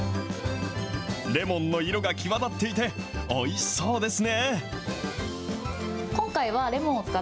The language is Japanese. レモンの色が際立っていて、おいしそうですね。